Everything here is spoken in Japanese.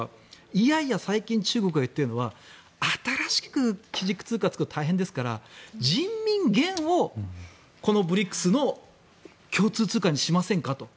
いやいや最近中国が言っているのは新しく基軸通貨作るのは大変ですから人民元をＢＲＩＣＳの共通通貨にしませんかと。